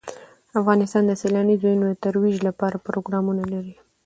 افغانستان د سیلانی ځایونه د ترویج لپاره پروګرامونه لري.